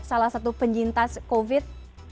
salah satu penjintas covid